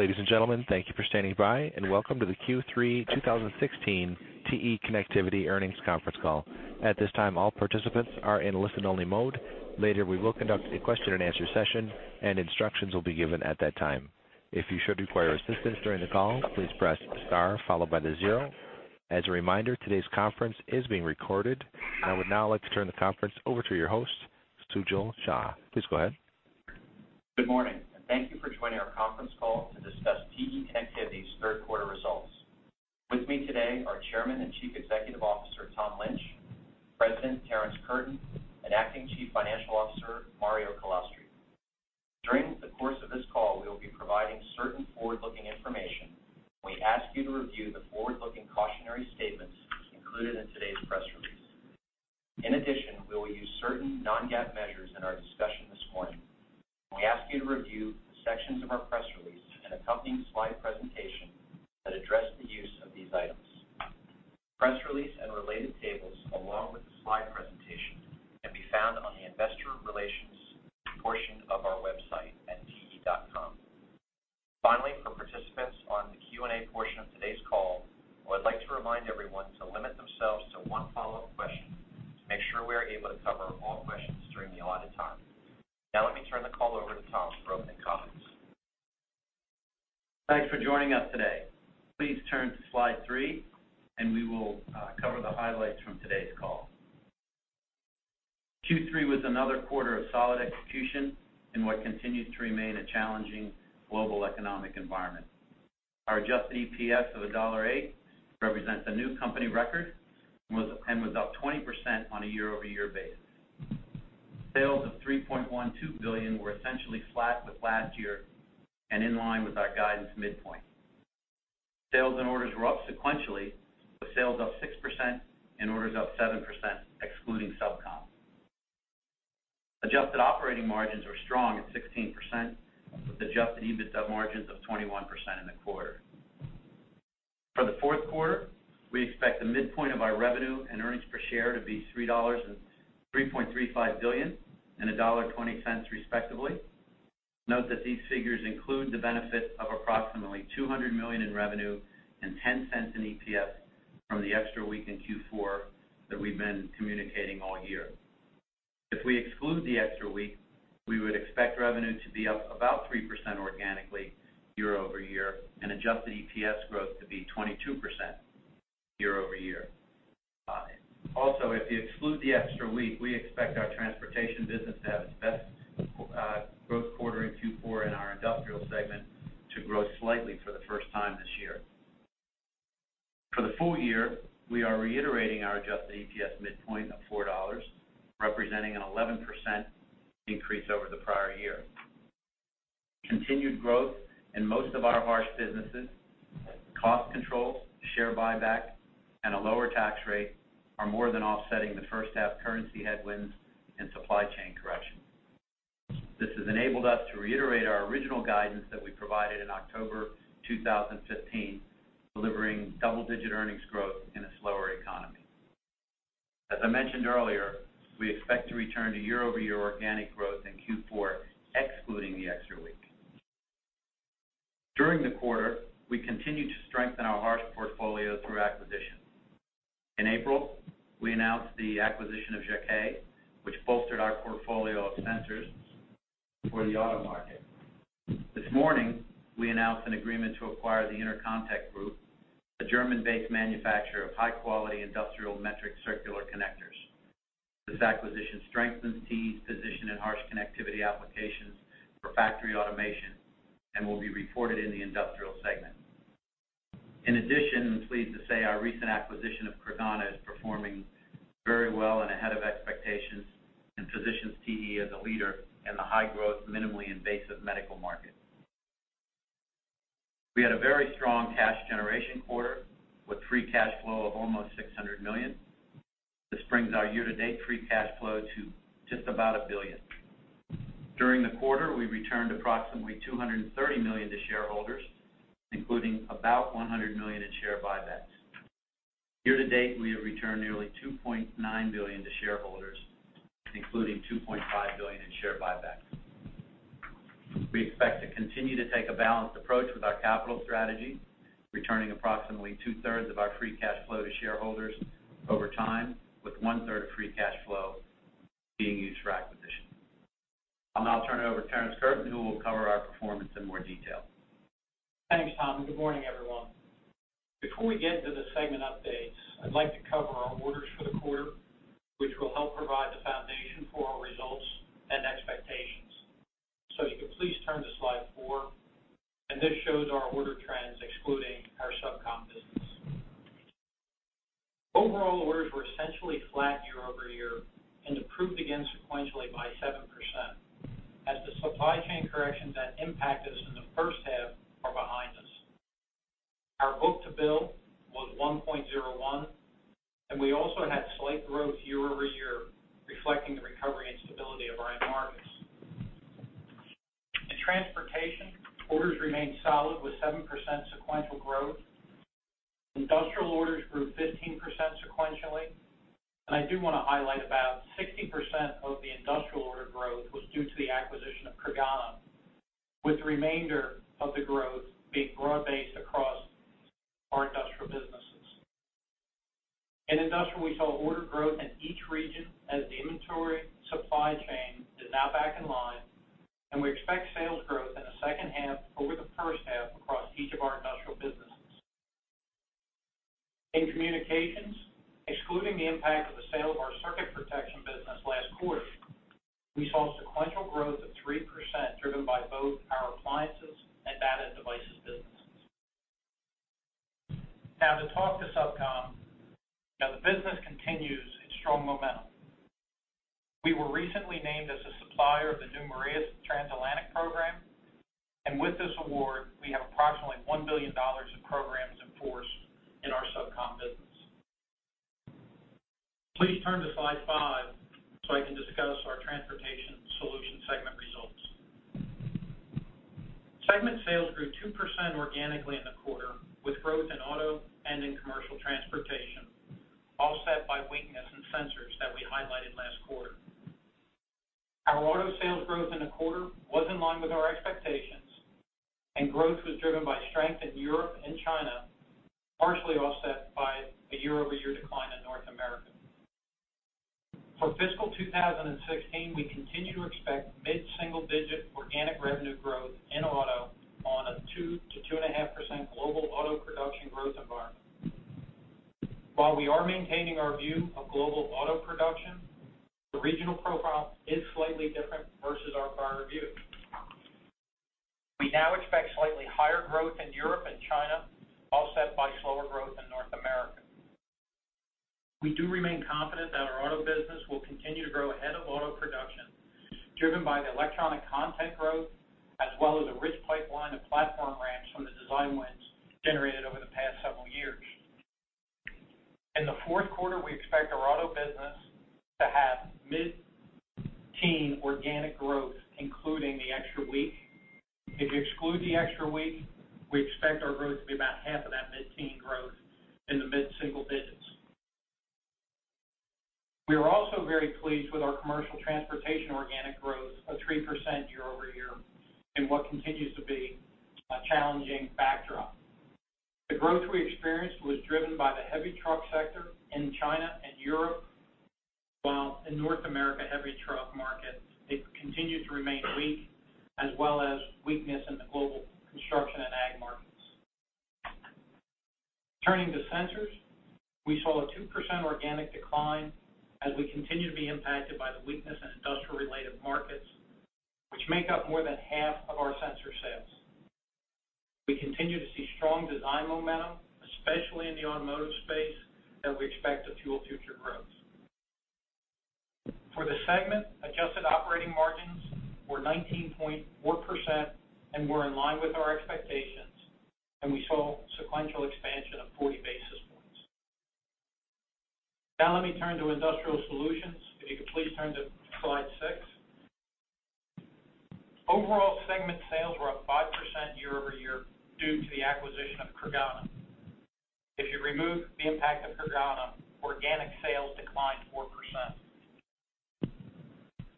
Ladies and gentlemen, thank you for standing by and welcome to the Q3 2016 TE Connectivity Earnings Conference Call. At this time, all participants are in listen-only mode. Later, we will conduct a question-and-answer session, and instructions will be given at that time. If you should require assistance during the call, please press star followed by the zero. As a reminder, today's conference is being recorded, and I would now like to turn the conference over to your host, Sujal Shah. Please go ahead. Good morning, and thank you for joining our conference call to discuss TE Connectivity's Q3 results. With me today are Chairman and Chief Executive Officer Tom Lynch, President Terrence Curtin, and Acting Chief Financial Officer Mario Calastri. During the course of this call, we will be providing certain forward-looking information. We ask you to review the forward-looking cautionary statements included in today's press release. In addition, we will use certain non-GAAP measures in our discussion this morning. We ask you to review the sections of our press release and accompanying slide presentation that address the use of these items. Press release and related tables, along with the slide presentation, can be found on the investor relations portion of our website at te.com. Finally, for participants on the Q&A portion of today's call, I would like to remind everyone to limit themselves to one follow-up question to make sure we are able to cover all questions during the allotted time. Now, let me turn the call over to Tom for opening comments. Thanks for joining us today. Please turn to slide three, and we will cover the highlights from today's call. Q3 was another quarter of solid execution in what continues to remain a challenging global economic environment. Our adjusted EPS of $1.08 represents a new company record and was up 20% on a year-over-year basis. Sales of $3.12 billion were essentially flat with last year and in line with our guidance midpoint. Sales and orders were up sequentially, with sales up 6% and orders up 7%, excluding SubCom. Adjusted operating margins were strong at 16%, with adjusted EBITDA margins of 21% in the quarter. For the Q4, we expect the midpoint of our revenue and earnings per share to be $3.35 billion and $1.20 respectively. Note that these figures include the benefit of approximately $200 million in revenue and $0.10 in EPS from the extra week in Q4 that we've been communicating all year. If we exclude the extra week, we would expect revenue to be up about 3% organically year-over-year and adjusted EPS growth to be 22% year-over-year. Also, if you exclude the extra week, we expect our transportation business to have its best growth quarter in Q4, and our industrial segment to grow slightly for the first time this year. For the full year, we are reiterating our adjusted EPS midpoint of $4, representing an 11% increase over the prior year. Continued growth in most of our harsh businesses, cost controls, share buyback, and a lower tax rate are more than offsetting the first-half currency headwinds and supply chain correction. This has enabled us to reiterate our original guidance that we provided in October 2015, delivering double-digit earnings growth in a slower economy. As I mentioned earlier, we expect to return to year-over-year organic growth in Q4, excluding the extra week. During the quarter, we continue to strengthen our harsh portfolio through acquisitions. In April, we announced the acquisition of Jaquet, which bolstered our portfolio of sensors for the auto market. This morning, we announced an agreement to acquire the Intercontec Group, a German-based manufacturer of high-quality industrial metric circular connectors. This acquisition strengthens TE's position in harsh connectivity applications for factory automation and will be reported in the industrial segment. In addition, I'm pleased to say our recent acquisition of Creganna is performing very well and ahead of expectations and positions TE as a leader in the high-growth, minimally invasive medical market. We had a very strong cash generation quarter with free cash flow of almost $600 million. This brings our year-to-date free cash flow to just about $1 billion. During the quarter, we returned approximately $230 million to shareholders, including about $100 million in share buybacks. Year-to-date, we have returned nearly $2.9 billion to shareholders, including $2.5 billion in share buybacks. We expect to continue to take a balanced approach with our capital strategy, returning approximately two-thirds of our free cash flow to shareholders over time, with one-third of free cash flow being used for acquisition. I'll now turn it over to Terrence Curtin, who will cover our performance in more detail. Thanks, Tom. Good morning, everyone. Before we get into the segment updates, I'd like to cover our orders for the quarter, which will help provide the foundation for our results and expectations. So if you could please turn to slide 4, and this shows our order trends, excluding our SubCom business. Overall, orders were essentially flat year-over-year and improved again sequentially by 7%, as the supply chain corrections that impacted us in the first half are behind us. Our Book-to-Bill was 1.01, and we also had slight growth year-over-year, reflecting the recovery and stability of our end markets. In transportation, orders remained solid with 7% sequential growth. Industrial orders grew 15% sequentially, and I do want to highlight about 60% of the industrial order growth was due to the acquisition of Creganna, with the remainder of the growth being broad-based across our industrial businesses. In industrial, we saw order growth in each region as the inventory supply chain is now back in line, and we expect sales growth in the second half over the first half across each of our industrial businesses. In communications, excluding the impact of the sale of our Circuit Protection business last quarter, we saw sequential growth of 3% driven by both our appliances and Data and Devices businesses. Now, to talk to SubCom. Now, the business continues its strong momentum. We were recently named as a supplier of the new MAREA Transatlantic program, and with this award, we have approximately $1 billion of programs enforced in our SubCom business. Please turn to slide 5 so I can discuss our Transportation Solution segment results. Segment sales grew 2% organically in the quarter, with growth in auto and in commercial transportation, offset by weakness in sensors that we highlighted last quarter. Our auto sales growth in the quarter was in line with our expectations, and growth was driven by strength in Europe and China, partially offset by a year-over-year decline in North America. For fiscal 2016, we continue to expect mid-single-digit organic revenue growth in auto on a 2%-2.5% global auto production growth environment. While we are maintaining our view of global auto production, the regional profile is slightly different versus our prior view. We now expect slightly higher growth in Europe and China, offset by slower growth in North America. We do remain confident that our auto business will continue to grow ahead of auto production, driven by the electronic content growth, as well as a rich pipeline of platform ramps from the design wins generated over the past several years. In the Q4, we expect our auto business to have mid-teen organic growth, including the extra week. If you exclude the extra week, we expect our growth to be about half of that mid-teen growth in the mid-single digits. We are also very pleased with our commercial transportation organic growth of 3% year-over-year in what continues to be a challenging backdrop. The growth we experienced was driven by the heavy truck sector in China and Europe, while in North America, heavy truck markets continued to remain weak, as well as weakness in the global construction and ag markets. Turning to sensors, we saw a 2% organic decline as we continue to be impacted by the weakness in industrial-related markets, which make up more than half of our sensor sales. We continue to see strong design momentum, especially in the automotive space, that we expect to fuel future growth. For the segment, adjusted operating margins were 19.4%, and we're in line with our expectations, and we saw sequential expansion of 40 basis points. Now, let me turn to industrial solutions. If you could please turn to slide 6. Overall, segment sales were up 5% year-over-year due to the acquisition of Creganna. If you remove the impact of Creganna, organic sales declined 4%.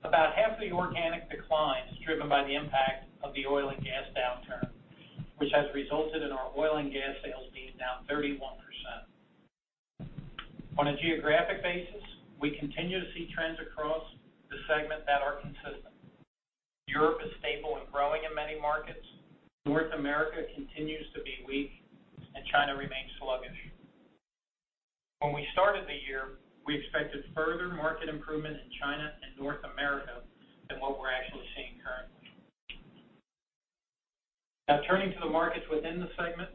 About half of the organic decline is driven by the impact of the oil and gas downturn, which has resulted in our oil and gas sales being down 31%. On a geographic basis, we continue to see trends across the segment that are consistent. Europe is stable and growing in many markets. North America continues to be weak, and China remains sluggish. When we started the year, we expected further market improvement in China and North America than what we're actually seeing currently. Now, turning to the markets within the segment,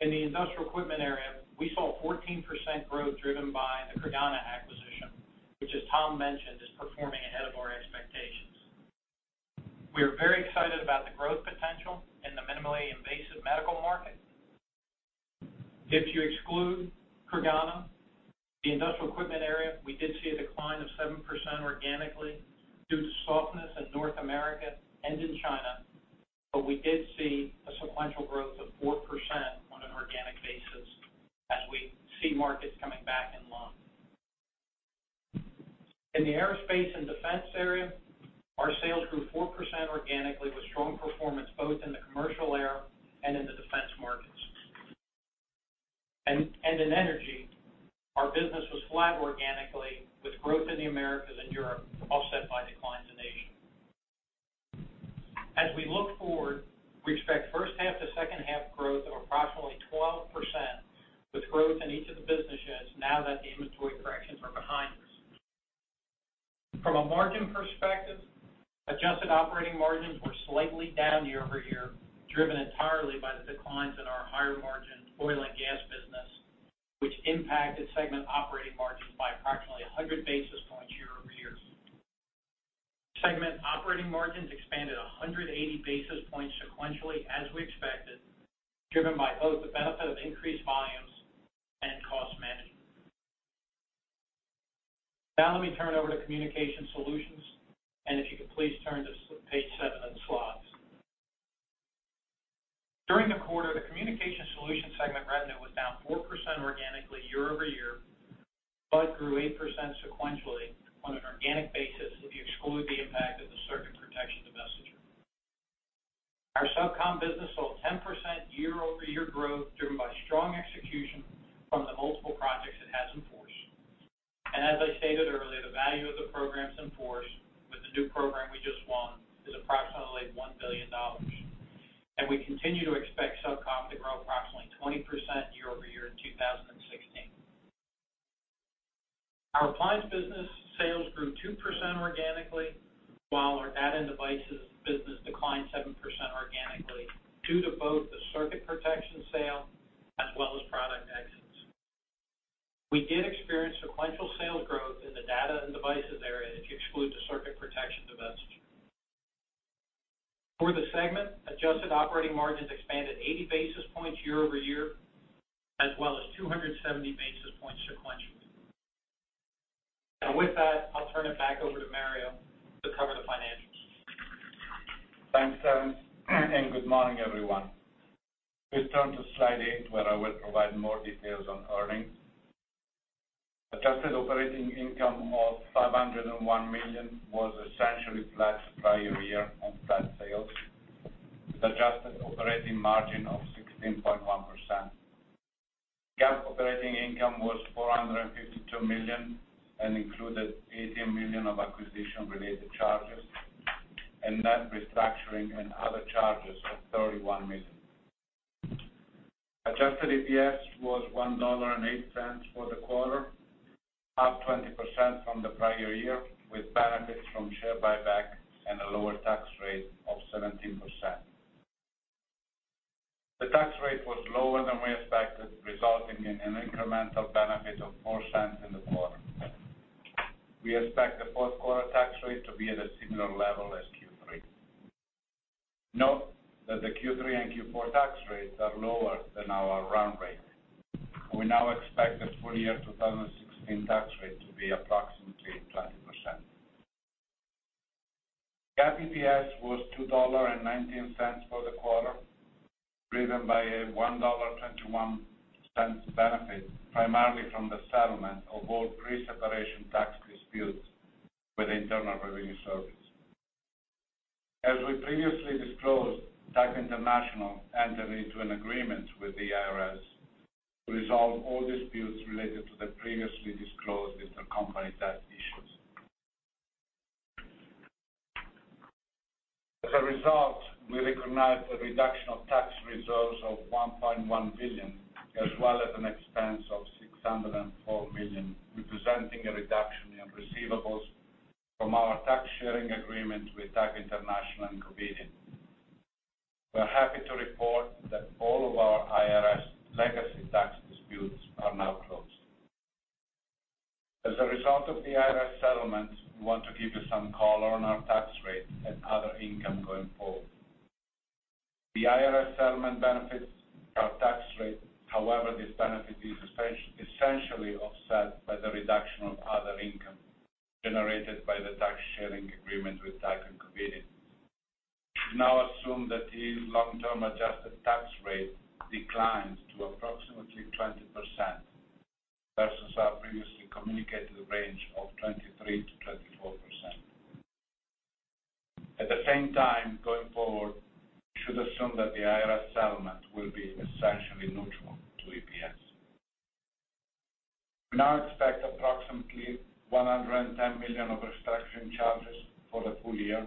in the industrial equipment area, we saw 14% growth driven by the Creganna acquisition, which, as Tom mentioned, is performing ahead of our expectations. We are very excited about the growth potential in the minimally invasive medical market. If you exclude Creganna, the industrial equipment area, we did see a decline of 7% organically due to softness in North America and in China, but we did see a sequential growth of 4% on an organic basis as we see markets coming back in line. In the aerospace and defense area, our sales grew 4% organically with strong performance both in the commercial area and in the defense markets. In energy, our business was flat organically with growth in the Americas and Europe, offset by declines in Asia. As we look forward, we expect first-half to second-half growth of approximately 12% with growth in each of the business units now that the inventory corrections are behind us. From a margin perspective, adjusted operating margins were slightly down year-over-year, driven entirely by the declines in our higher-margin oil and gas business, which impacted segment operating margins by approximately 100 basis points year-over-year. Segment operating margins expanded 180 basis points sequentially, as we expected, driven by both the benefit of increased volumes and cost management. Now, let me turn over to Communications Solutions, and if you could please turn to page 7 and slides. During the quarter, the Communications Solutions segment revenue was down 4% organically year-over-year, but grew 8% sequentially on an organic basis if you exclude the impact of the Circuit Protection divestiture. Our SubCom business saw 10% year-over-year growth driven by strong execution from the multiple projects it has enforced. And as I stated earlier, the value of the programs enforced with the new program we just won is approximately $1 billion, and we continue to expect SubCom to grow approximately 20% year-over-year in 2016. Our appliance business sales grew 2% organically, while our Data and Devices business declined 7% organically due to both the Circuit Protection sale as well as product exits. We did experience sequential sales growth in the Data and Devices area if you exclude the Circuit Protection device issue. For the segment, adjusted operating margins expanded 80 basis points year-over-year, as well as 270 basis points sequentially. And with that, I'll turn it back over to Mario to cover the financials. Thanks, Terrence, and good morning, everyone. Please turn to slide eight, where I will provide more details on earnings. Adjusted operating income of $501 million was essentially flat prior year and flat sales, with adjusted operating margin of 16.1%. GAAP operating income was $452 million and included $18 million of acquisition-related charges, and net restructuring and other charges of $31 million. Adjusted EPS was $1.08 for the quarter, up 20% from the prior year, with benefits from share buyback and a lower tax rate of 17%. The tax rate was lower than we expected, resulting in an incremental benefit of $0.04 in the quarter. We expect the Q4 tax rate to be at a similar level as Q3. Note that the Q3 and Q4 tax rates are lower than our run rate. We now expect the full year 2016 tax rate to be approximately 20%. GAAP EPS was $2.19 for the quarter, driven by a $1.21 benefit primarily from the settlement of all pre-separation tax disputes with the Internal Revenue Service. As we previously disclosed, Tyco International entered into an agreement with the IRS to resolve all disputes related to the previously disclosed intercompany tax issues. As a result, we recognize the reduction of tax reserves of $1.1 billion, as well as an expense of $604 million, representing a reduction in receivables from our tax-sharing agreement with Tyco International and Covidien. We're happy to report that all of our IRS legacy tax disputes are now closed. As a result of the IRS settlement, we want to give you some color on our tax rate and other income going forward. The IRS settlement benefits our tax rate; however, this benefit is essentially offset by the reduction of other income generated by the tax-sharing agreement with Tyco and Covidien. We now assume that the long-term adjusted tax rate declines to approximately 20% versus our previously communicated range of 23%-24%. At the same time, going forward, we should assume that the IRS settlement will be essentially neutral to EPS. We now expect approximately $110 million of restructuring charges for the full year,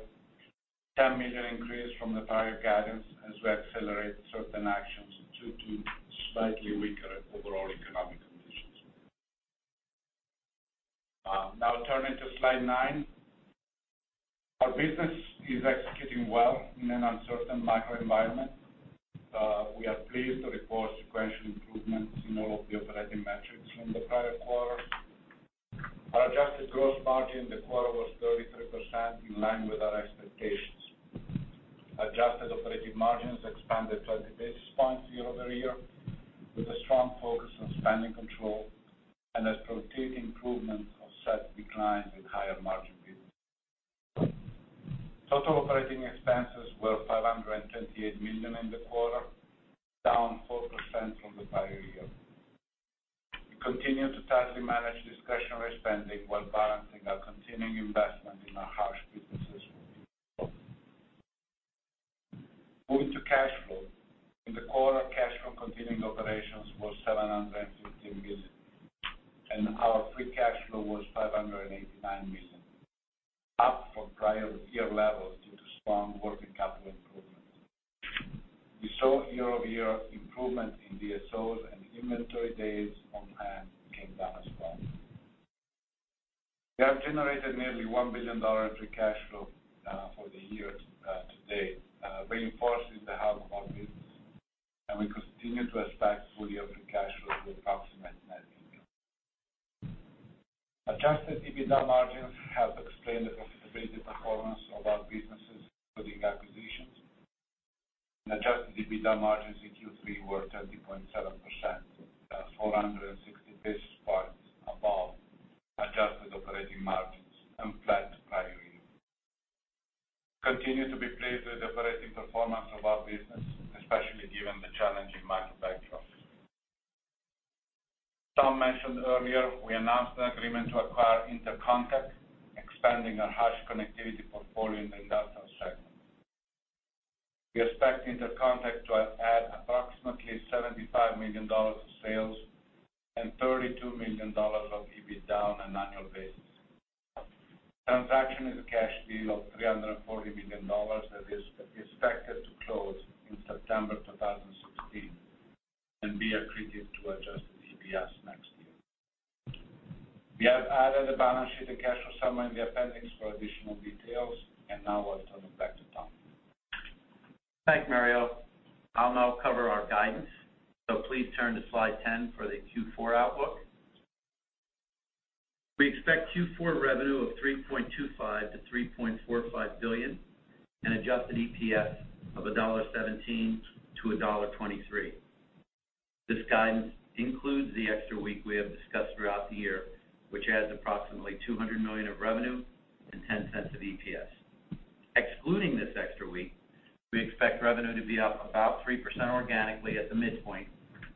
a $10 million increase from the prior guidance as we accelerate certain actions due to slightly weaker overall economic conditions. Now, turning to slide 9, our business is executing well in an uncertain macro environment. We are pleased to report sequential improvements in all of the operating metrics from the prior quarter. Our adjusted gross margin in the quarter was 33%, in line with our expectations. Adjusted operating margins expanded 20 basis points year-over-year, with a strong focus on spending control and a strategic improvement to offset declines in higher-margin business. Total operating expenses were $528 million in the quarter, down 4% from the prior year. We continue to tightly manage discretionary spending while balancing our continuing investment in our harsh businesses. Moving to cash flow, in the quarter, cash from continuing operations was $715 million, and our free cash flow was $589 million, up from prior year levels due to strong working capital improvements. We saw year-over-year improvement in DSOs and inventory days on hand came down as well. We have generated nearly $1 billion in free cash flow for the year to date, reinforcing the health of our business, and we continue to expect full year free cash flow to approximate net income. Adjusted EBITDA margins have explained the profitability performance of our businesses, including acquisitions. Adjusted EBITDA margins in Q3 were 20.7%, 460 basis points above adjusted operating margins and flat prior year. We continue to be pleased with the operating performance of our business, especially given the challenging market backdrop. Tom mentioned earlier, we announced an agreement to acquire Intercontec, expanding our harsh connectivity portfolio in the industrial segment. We expect Intercontec to add approximately $75 million of sales and $32 million of EBITDA on an annual basis. Transaction is a cash deal of $340 million that is expected to close in September 2016 and be accretive to adjusted EPS next year. We have added a balance sheet and cash flow summary in the appendix for additional details, and now I'll turn it back to Tom. Thanks, Mario. I'll now cover our guidance, so please turn to slide 10 for the Q4 outlook. We expect Q4 revenue of $3.25-$3.45 billion and adjusted EPS of $1.17-$1.23. This guidance includes the extra week we have discussed throughout the year, which adds approximately $200 million of revenue and $0.10 of EPS. Excluding this extra week, we expect revenue to be up about 3% organically at the midpoint,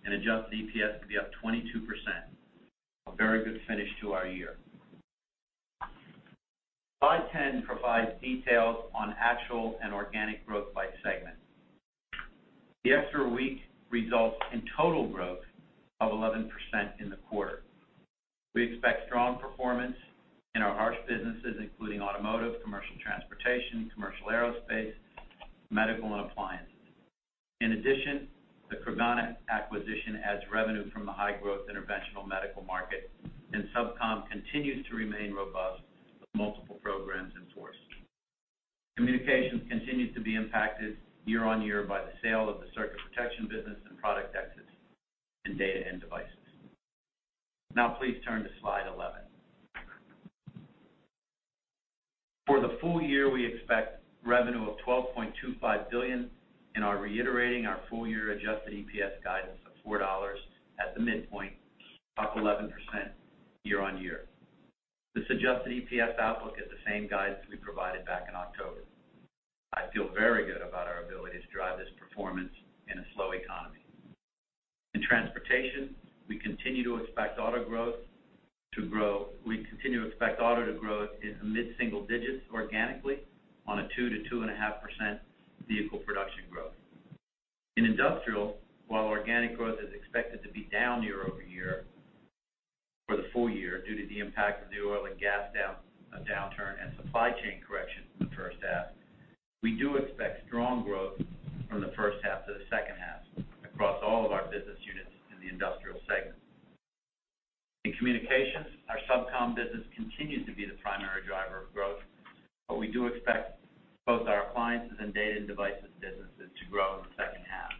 and adjusted EPS to be up 22%, a very good finish to our year. Slide 10 provides details on actual and organic growth by segment. The extra week results in total growth of 11% in the quarter. We expect strong performance in our harsh businesses, including automotive, commercial transportation, commercial aerospace, medical, and appliances. In addition, the Creganna acquisition adds revenue from the high-growth interventional medical market, and SubCom continues to remain robust with multiple programs enforced. Communications continue to be impacted year-on-year by the sale of the Circuit Protection business and product exits in Data and Devices. Now, please turn to slide 11. For the full year, we expect revenue of $12.25 billion, and are reiterating our full-year Adjusted EPS guidance of $4 at the midpoint, up 11% year-on-year. This Adjusted EPS outlook is the same guidance we provided back in October. I feel very good about our ability to drive this performance in a slow economy. In transportation, we continue to expect auto growth to grow; we continue to expect auto to grow in the mid-single digits organically on a 2%-2.5% vehicle production growth. In Industrial, while organic growth is expected to be down year-over-year for the full year due to the impact of the oil and gas downturn and supply chain corrections in the first half, we do expect strong growth from the first half to the second half across all of our business units in the Industrial segment. In Communications, our SubCom business continues to be the primary driver of growth, but we do expect both our appliances and Data and Devices businesses to grow in the second half.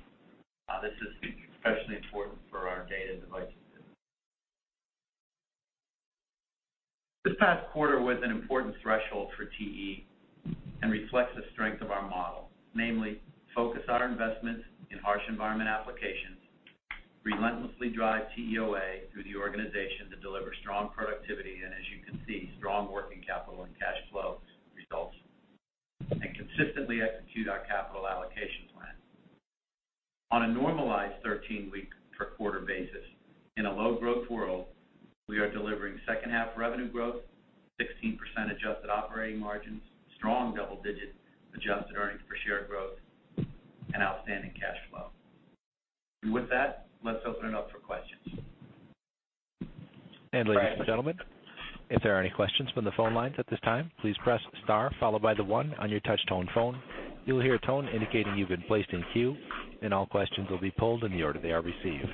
This is especially important for our Data and Devices business. This past quarter was an important threshold for TE and reflects the strength of our model, namely, focus our investments in harsh-environment applications, relentlessly drive TEOA through the organization to deliver strong productivity and, as you can see, strong working capital and cash flow results, and consistently execute our capital allocation plan. On a normalized 13-week per quarter basis, in a low-growth world, we are delivering second-half revenue growth, 16% adjusted operating margins, strong double-digit adjusted earnings per share growth, and outstanding cash flow. With that, let's open it up for questions. Ladies and gentlemen, if there are any questions from the phone lines at this time, please press star followed by the one on your touch-tone phone. You'll hear a tone indicating you've been placed in queue, and all questions will be polled in the order they are received.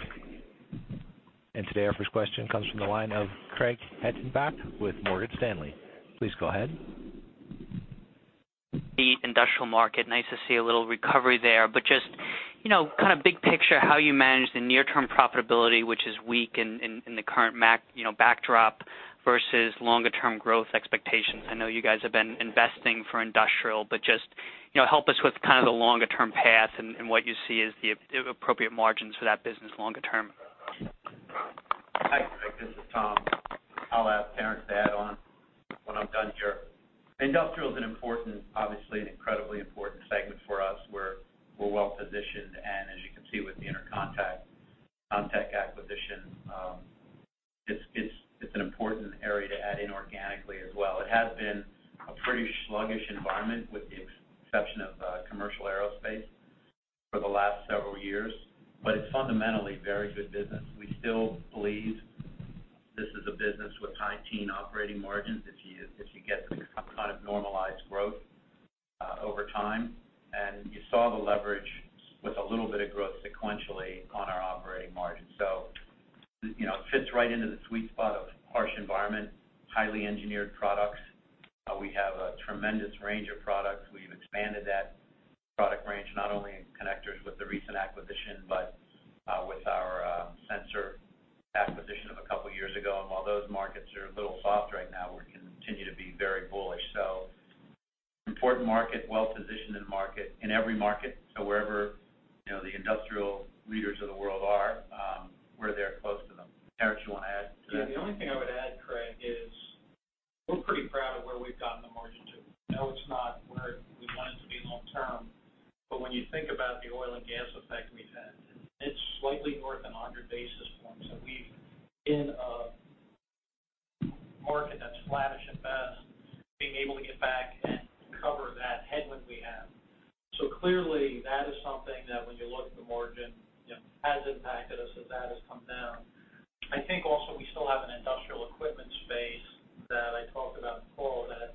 Today, our first question comes from the line of Craig Hettenbach with Morgan Stanley. Please go ahead. The industrial market, nice to see a little recovery there, but just kind of big picture, how you manage the near-term profitability, which is weak in the current backdrop versus longer-term growth expectations. I know you guys have been investing for industrial, but just help us with kind of the longer-term path and what you see as the appropriate margins for that business longer term. Hi, Craig. This is Tom. I'll add Terrence to add on when I'm done here. Industrial is an important, obviously, an incredibly important segment for us. We're well-positioned, and as you can see with the Intercontec acquisition, it's an important area to add in organically as well. It has been a pretty sluggish environment with the exception of commercial aerospace for the last several years, but it's fundamentally very good business. We still believe this is a business with high teen operating margins if you get some kind of normalized growth over time, and you saw the leverage with a little bit of growth sequentially on our operating margin. So it fits right into the sweet spot of harsh environment, highly engineered products. We have a tremendous range of products. We've expanded that product range not only in connectors with the recent acquisition but with our sensor acquisition of a couple of years ago. And while those markets are a little soft right now, we continue to be very bullish. So important market, well-positioned in every market, so wherever the industrial leaders of the world are, we're there close to them. Terrence, you want to add to that? Yeah. The only thing I would add, Craig, is we're pretty proud of where we've gotten the margin to. I know it's not where we want it to be long-term, but when you think about the oil and gas effect we've had, it's slightly north of 100 basis points. And we've been a market that's flattish at best, being able to get back and cover that headwind we have. So clearly, that is something that when you look at the margin, has impacted us as that has come down. I think also we still have an industrial equipment space that I talked about in the quarter that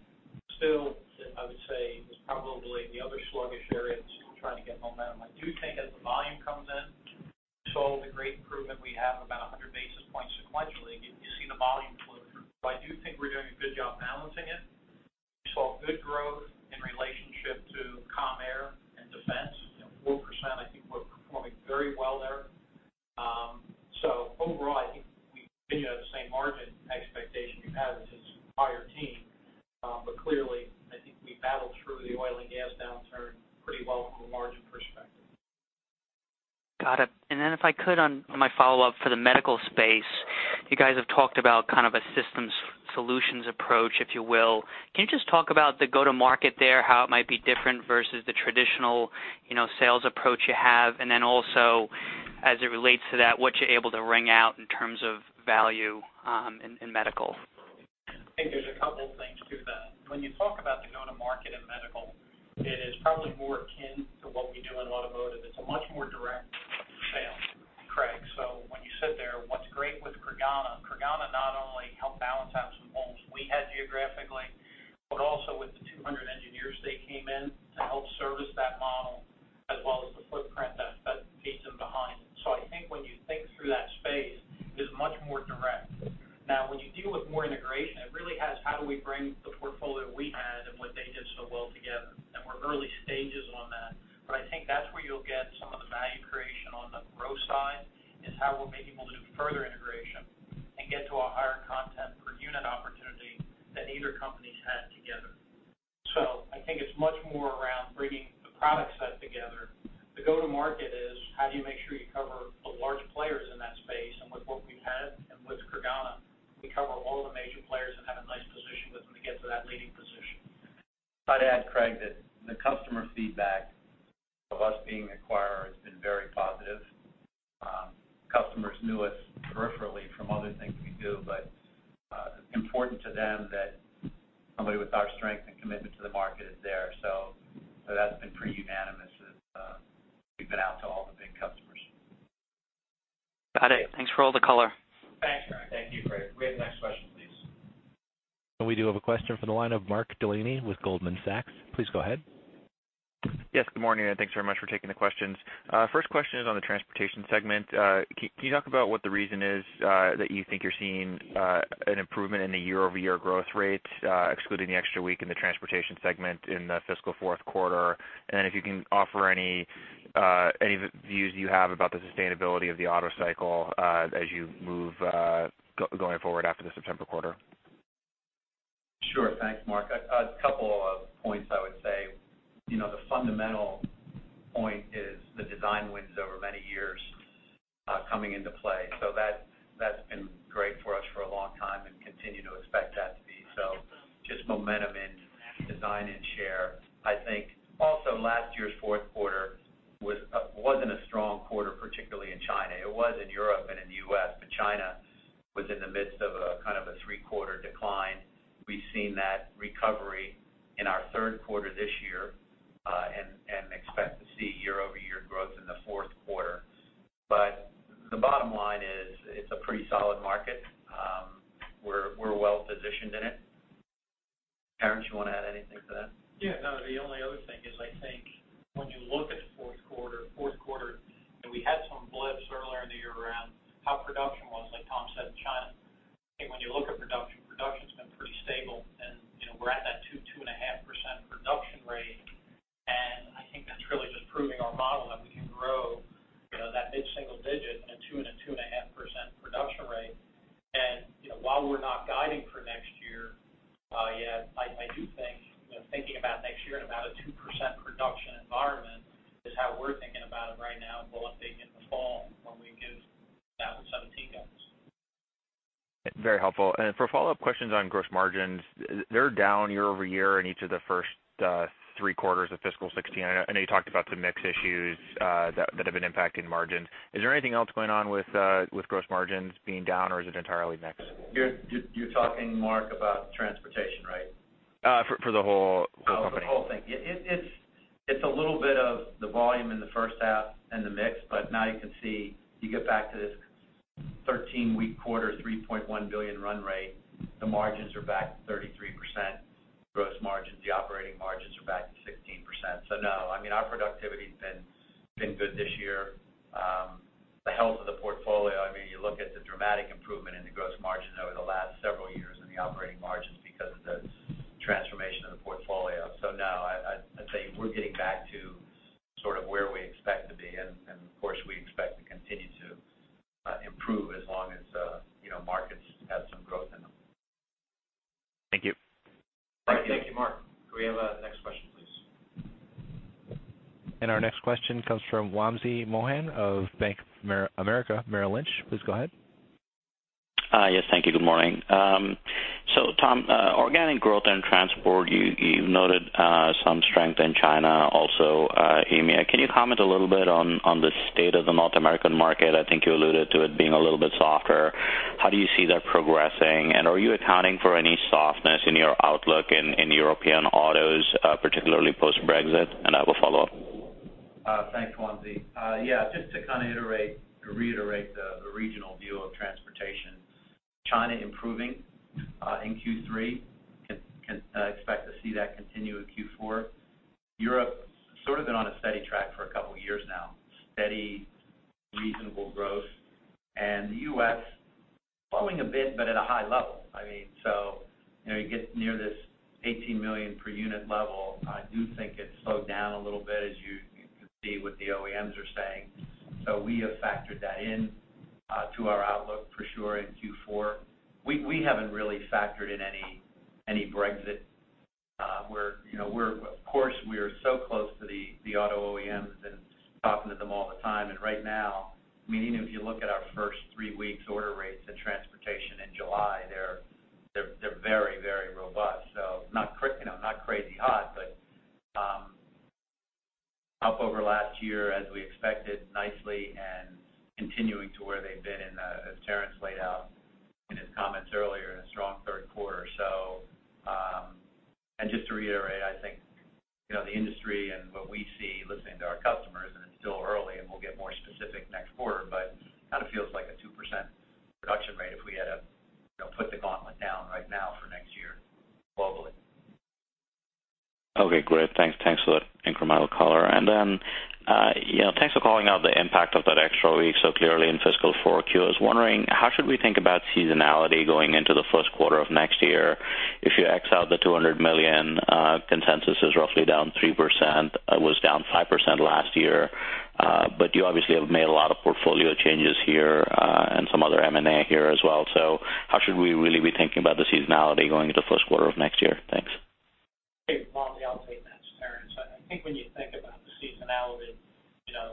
still, I would say, is probably the other sluggish area that's trying to get momentum. I do think as the volume comes in, we saw the great improvement we have about 100 basis points sequentially. You see the volume flow. So I do think we're doing a good job balancing it. We saw good growth in relationship to Commercial Aerospace and Defense, 4%. I think we're performing very well there. So overall, I think we continue to have the same margin expectation we've had with this higher team, but clearly, I think we battled through the oil and gas downturn pretty well from a margin perspective. Got it. And then if I could, on my follow-up for the medical space, you guys have talked about kind of a systems solutions approach, if you will. Can you just talk about the go-to-market there, how it might be different versus the traditional sales approach you have, and then also, as it relates to that, what you're able to wring out in terms of value in medical? I think there's a couple of things to that. When you talk about the go-to-market in medical, it is probably more akin to what we do in automotive. It's a much more direct sale, Craig. So when you sit there, what's great with Creganna? Creganna not only helped balance out some holes we had geographically, but also with the 200 engineers they came in to help service that model as well as the footprint that feeds them behind. So I think when you think through that space, it's much more direct. Now, when you deal with more integration, it really has how do we bring the portfolio we had and what they did so well together. We're in early stages on that, but I think that's where you'll get some of the value creation on the growth side is how we're able to do further integration and get to a higher content per unit opportunity than either company's had together. I think it's much more around bringing the product set together. The go-to-market is how do you make sure you cover the large players in that space, and with what we've had and with Creganna, we cover all the major players and have a nice position with them to get to that leading position. I'd add, Craig, that the customer feedback of us being an acquirer has been very positive. Customers knew us peripherally from other things we do, but it's important to them that somebody with our strength and commitment to the market is there. So that's been pretty unanimous as we've been out to all the big customers. Got it. Thanks for all the color. Thanks, Craig. Thank you, Craig. We have the next question, please. We do have a question from the line of Mark Delaney with Goldman Sachs. Please go ahead. Yes. Good morning, and thanks very much for taking the questions. First question is on the transportation segment. Can you talk about what the reason is that you think you're seeing an improvement in the year-over-year growth rate, excluding the extra week in the transportation segment in the fiscal Q4? And then if you can offer any views you have about the sustainability of the auto cycle as you move going forward after the September quarter. Sure. Thanks, Mark. A couple of points I would say. The fundamental point is the design wins over many years coming into play. So that's been great for us for a long time and continue to expect that to be. So just momentum in design and share. I think also last year's Q4 wasn't a strong quarter, particularly in China. It was in Europe and in the U.S., but China was in the midst of a kind of a three-quarter decline. We've seen that recovery in our Q3 this year and expect to see year-over-year growth in the Q4. But the bottom line is it's a pretty solid market. We're well-positioned in it. Terrence, you want to add anything to that? Yeah. No, the only other thing is I think when you look at the Q4, Q4, and we had some blips earlier in the year around how production was, like Tom said, in China. I think when you look at production, production's been pretty stable, and we're at that 2%-2.5% production rate. And I think that's really just proving our model that we can grow that mid-single digit and a 2%-2.5% production rate. And while we're not guiding for next year yet, I do think thinking about next year in about a 2% production environment is how we're thinking about it right now, budgeting in the fall when we give that with '17 guidance. Very helpful. For follow-up questions on gross margins, they're down year-over-year in each of the first three quarters of fiscal 2016. I know you talked about some mixed issues that have been impacting margins. Is there anything else going on with gross margins being down, or is it entirely mixed? You're talking, Mark, about transportation, right? For the whole company. For the whole thing. It's a little bit of the volume in the first half and the mix, but now you can see you get back to this 13-week quarter, $3.1 billion run rate. The margins are back 33% gross margins. The operating margins are back to 16%. So no, I mean, our productivity has been good this year. The health of the portfolio, I mean, you look at the dramatic improvement in the gross margin over the last several years and the operating margins because of the transformation of the portfolio. So no, I'd say we're getting back to sort of where we expect to be. And of course, we expect to continue to improve as long as markets have some growth in them. Thank you. Thank you, Mark. Do we have a next question, please? Our next question comes from Wamsi Mohan of Bank of America Merrill Lynch. Please go ahead. Yes. Thank you. Good morning. So Tom, organic growth and transport, you noted some strength in China also, EMEA. Can you comment a little bit on the state of the North American market? I think you alluded to it being a little bit softer. How do you see that progressing? And are you accounting for any softness in your outlook in European autos, particularly post-Brexit? And I will follow up. Thanks, Wamsi. Yeah. Just to kind of reiterate the regional view of transportation, China improving in Q3. Can expect to see that continue in Q4. Europe sort of been on a steady track for a couple of years now, steady, reasonable growth. And the U.S., slowing a bit but at a high level. I mean, so you get near this 18 million per unit level. I do think it's slowed down a little bit as you can see what the OEMs are saying. So we have factored that into our outlook for sure in Q4. We haven't really factored in any Brexit. We're, of course, we are so close to the auto OEMs and talking to them all the time. And right now, I mean, even if you look at our first three weeks' order rates and transportation in July, they're very, very robust. So not crazy hot, but up over last year as we expected, nicely and continuing to where they've been in, as Terrence laid out in his comments earlier, a strong Q3. And just to reiterate, I think the industry and what we see listening to our customers, and it's still early, and we'll get more specific next quarter, but it kind of feels like a 2% production rate if we had to put the gauntlet down right now for next year globally. Okay. Great. Thanks. Thanks for that incremental color. And then thanks for calling out the impact of that extra week. So clearly in fiscal 4Q, I was wondering, how should we think about seasonality going into the Q1 of next year? If you X out the $200 million, consensus is roughly down 3%, was down 5% last year, but you obviously have made a lot of portfolio changes here and some other M&A here as well. So how should we really be thinking about the seasonality going into the Q1 of next year? Thanks. Hey, Wamsi, I'll take that, Terrence. I think when you think about the seasonality,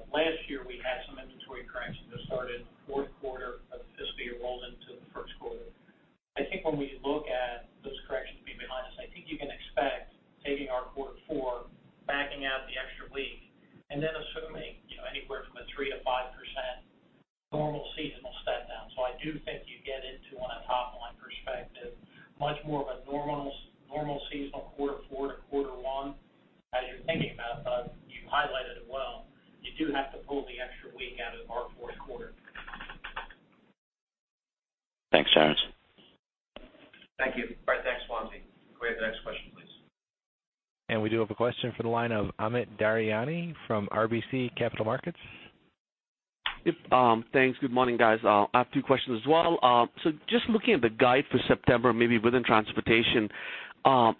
last year we had some inventory corrections that started in the Q4 of fiscal year rolled into the Q1. I think when we look at those corrections being behind us, I think you can expect taking our quarter four, backing out the extra week, and then assuming anywhere from a 3%-5% normal seasonal step down. So I do think you get into on a top-line perspective, much more of a normal seasonal quarter four to quarter one as you're thinking about it, but you highlighted it well. You do have to pull the extra week out of our Q4. Thanks, Terrence. Thank you. All right. Thanks, Wamsi. Go ahead to the next question, please. We do have a question from the line of Amit Daryanani from RBC Capital Markets. Yep. Thanks. Good morning, guys. I have two questions as well. So just looking at the guide for September, maybe within transportation,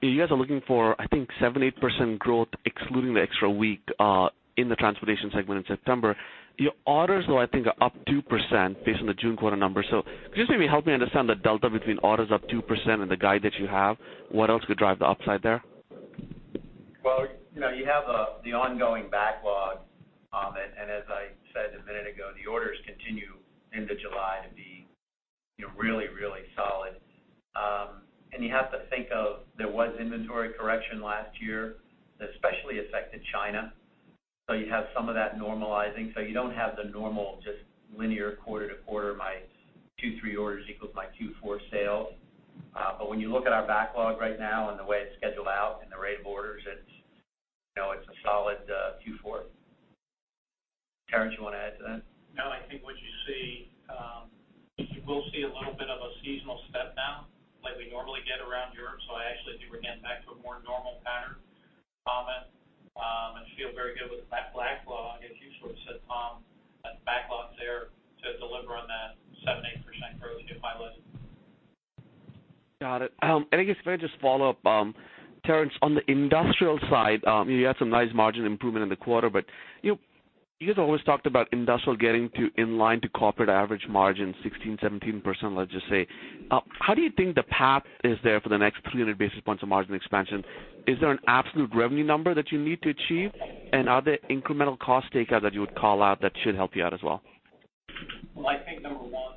you guys are looking for, I think, 7%-8% growth excluding the extra week in the transportation segment in September. Your orders, though, I think are up 2% based on the June quarter number. So could you just maybe help me understand the delta between orders up 2% and the guide that you have? What else could drive the upside there? Well, you have the ongoing backlog. As I said a minute ago, the orders continue into July to be really, really solid. You have to think of there was inventory correction last year that especially affected China. You have some of that normalizing. You don't have the normal just linear quarter-to-quarter, my Q3 orders equals my Q4 sales. When you look at our backlog right now and the way it's scheduled out and the rate of orders, it's a solid Q4. Terrence, you want to add to that? No, I think what you see, you will see a little bit of a seasonal step down like we normally get around Europe. So I actually think we're getting back to a more normal pattern. We can and feel very good with that backlog, as you sort of said, Tom, that backlog there to deliver on that 7%-8% growth, if I listen. Got it. I guess can I just follow up, Terrence, on the industrial side? You had some nice margin improvement in the quarter, but you guys always talked about industrial getting to in line to corporate average margin, 16%-17%, let's just say. How do you think the path is there for the next 300 basis points of margin expansion? Is there an absolute revenue number that you need to achieve? And are there incremental cost takeout that you would call out that should help you out as well? Well, I think number one,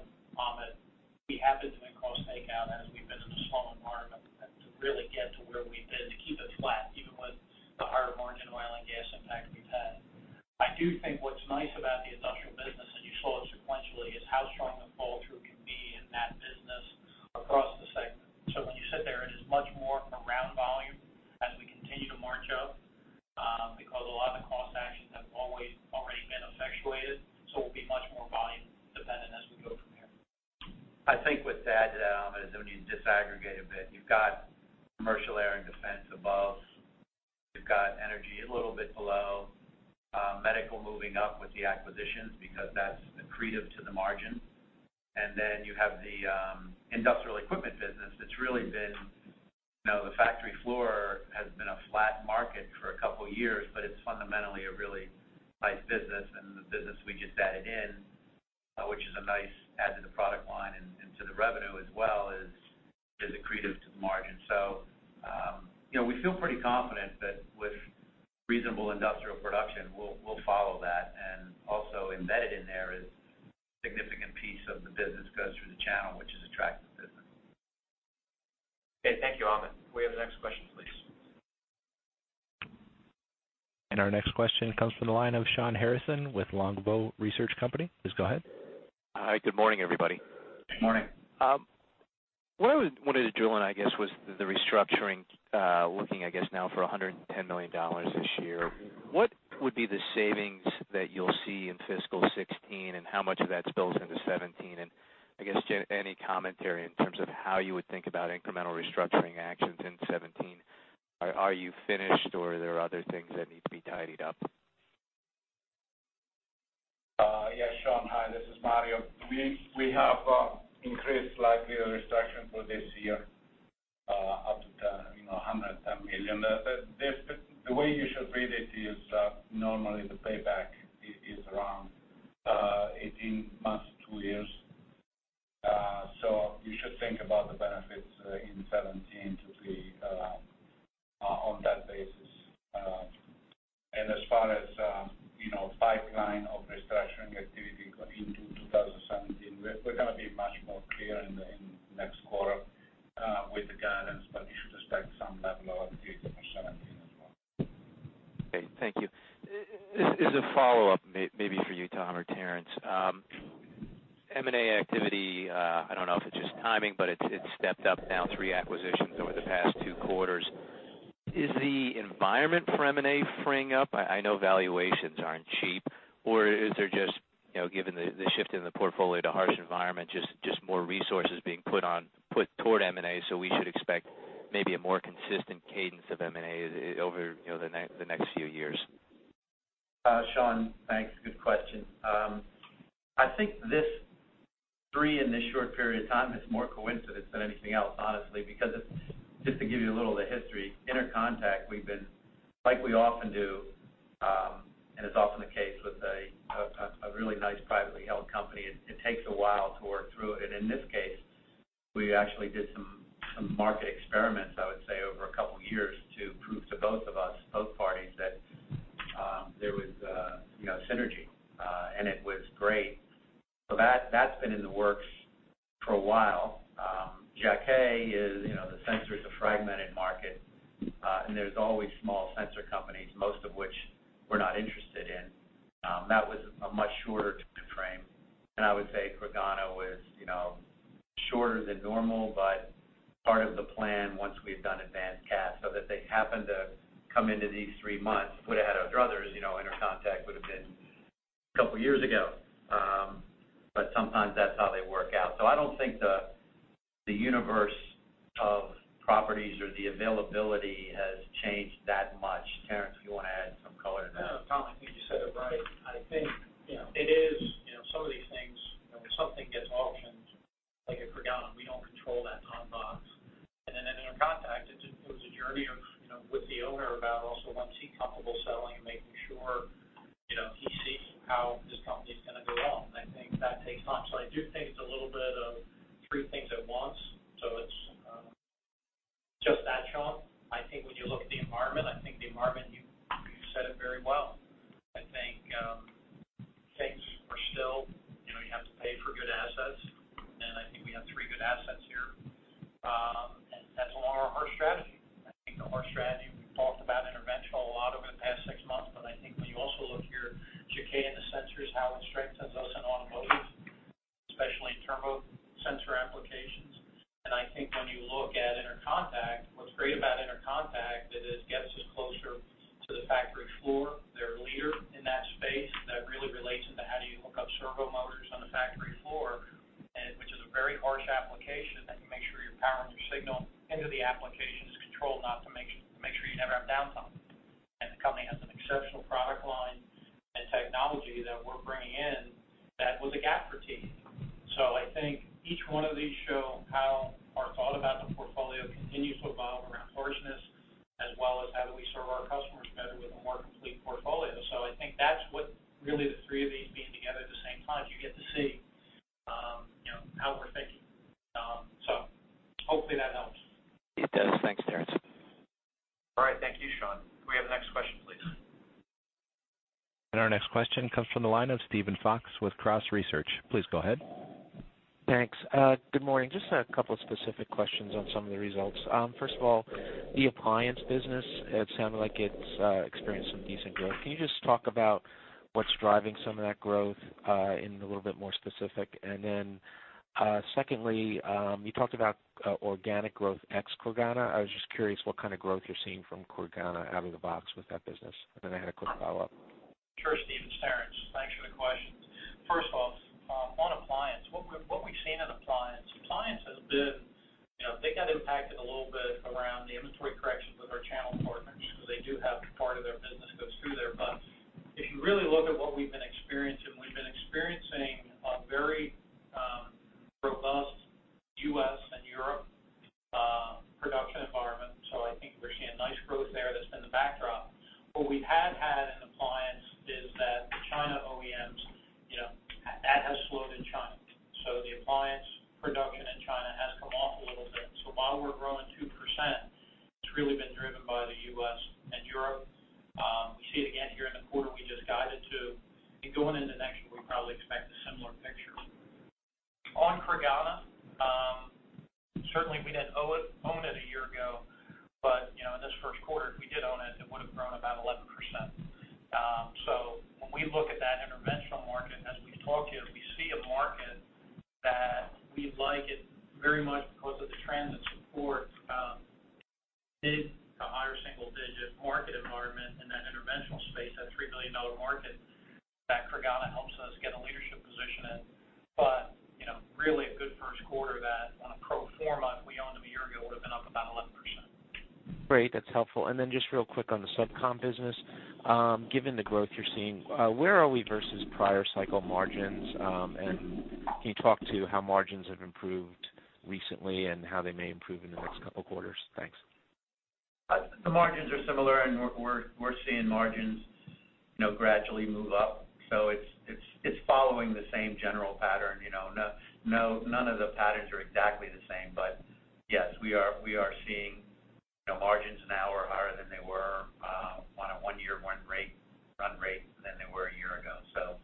have the next question, please. Our next question comes from the line of Shawn Harrison with Longbow Research. Please go ahead. Hi. Good morning, everybody. Good morning. What I wanted to drill in, I guess, was the restructuring, looking, I guess, now for $110 million this year. What would be the savings that you'll see in fiscal 2016, and how much of that spills into 2017? And I guess any commentary in terms of how you would think about incremental restructuring actions in 2017? Are you finished, or are there other things that need to be tidied up? Yeah. Shawn, hi. This is Mario. We have increased likelihood of restructuring for this year up to $110 million. The way you should read it is normally the payback is around 18 months, two years. So you should think about the benefits in 2017 to be on that basis. And as far as pipeline of restructuring activity into 2017, we're going to be much more clear in the next quarter with the guidance, but you should expect some level of activity for 2017 as well. Okay. Thank you. As a follow-up, maybe for you, Tom or Terrence, M&A activity, I don't know if it's just timing, but it's stepped up now, 3 acquisitions over the past 2 quarters. Is the environment for M&A freeing up? I know valuations aren't cheap, or is there just, given the shift in the portfolio to harsh environment, just more resources being put toward M&A? So we should expect maybe a more consistent cadence of M&A over the next few years. Shawn, thanks. Good question. I think this three in this short period of time is more coincidence than anything else, honestly, because just to give you a little of the history, Intercontec, like we often do, and it's often the case with a really nice privately held company, it takes a while to work through it. And in this case, we actually did some market experiments, I would say, over a couple of years to prove to both of us, both parties, that there was synergy, and it was great. So that's been in the works for a while. Jaquet, the sensors, a fragmented market, and there's always small sensor companies, most of which we're not interested in. That was a much shorter time frame. And I would say Creganna was shorter than normal, but part of the plan, once we had done AdvancedCath, so that they happened to come into these three months, put ahead of others, Intercontec would have been a couple of years ago. But sometimes that's how they work out. So I don't think the universe of properties or the availability has changed that much. Terrence, you want to add some color to that? No, Tom, I think you said it right. I think it is some of these things, when something gets auctioned like at Creganna, we don't control that timebox. And then at Intercontec, it was a journey with the owner about also once he's comfortable selling and making sure he sees how his company is going to go on. And I think that takes time. So I do think it's a little bit of three things at once. So it's just that, Shawn. I think when you look at the environment, I think the environment, you said it very well. I think things are still you have to pay for good assets. And I think we have three good assets here. And that's a lot of our strategy. I think the whole strategy, we've talked about Interventional a lot over the past six months. But I think when you also look here, Jaquet and the sensors, how it strengthens us in automotive, especially in turbo sensor applications. And I think when you look at Intercontec, what's great about Intercontec, it gets us closer to the factory floor. They're a leader in that space that really relates into how do you hook up servo motors on the factory floor, which is a very harsh application. You make sure you're powering your signal into the application is controlled enough to make sure you never have downtime. And the company has an exceptional product line and technology that we're bringing in that was a gap for TE. So I think each one of these shows how our thought about the portfolio continues to evolve around harshness, as well as how do we serve our customers better with a more complete portfolio. I think that's what really the three of these being together at the same time, you get to see how we're thinking. Hopefully that helps. It does. Thanks, Terrence. All right. Thank you, Shawn. Can we have the next question, please? Our next question comes from the line of Steven Fox with Cross Research. Please go ahead. Thanks. Good morning. Just a couple of specific questions on some of the results. First of all, the appliance business, it sounded like it's experienced some decent growth. Can you just talk about what's driving some of that growth in a little bit more specific? And then secondly, you talked about organic growth ex-Creganna. I was just curious what kind of growth you're seeing from Creganna, out of the box with that business. And then I had a quick follow-up. Sure, Steven. Terrence, thanks for the questions. First of all, on appliance, what we've seen in appliance, appliance has been they got impacted a little bit around the inventory corrections with our channel partners because they do have part of their business goes through there. But if you really look at what we've been experiencing, we've been experiencing a very robust U.S. and Europe production environment. So I think we're seeing nice growth there that's been the backdrop. What we had had in appliance is that China OEMs, that has slowed in China. So the appliance production in China has come off a little bit. So while we're growing 2%, it's really been driven by the U.S. and Europe. We see it again here in the quarter we just guided to. And going into next year, we probably expect a similar picture. On Creganna, certainly we didn't own it a year ago, but in this Q1, if we did own it, it would have grown about 11%. So when we look at that interventional market, as we've talked to you, we see a market that we like it very much because of the trends and support, the higher single-digit market environment in that interventional space, that $3 million market that Creganna helps us get a leadership position in. But really a good Q1 that on a pro forma, if we owned them a year ago, would have been up about 11%. Great. That's helpful. And then just real quick on the SubCom business, given the growth you're seeing, where are we versus prior cycle margins? And can you talk to how margins have improved recently and how they may improve in the next couple of quarters? Thanks. The margins are similar, and we're seeing margins gradually move up. So it's following the same general pattern. None of the patterns are exactly the same, but yes, we are seeing margins now are higher than they were on a one-year run rate than they were a year ago. So